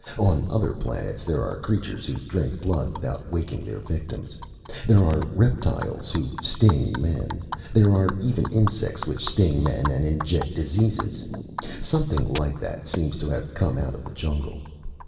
On other planets there are creatures who drink blood without waking their victims. There are reptiles who sting men. There are even insects which sting men and inject diseases. Something like that seems to have come out of the jungle.